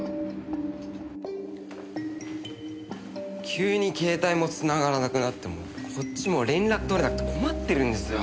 急に携帯も繋がらなくなってもうこっちも連絡取れなくて困ってるんですよ。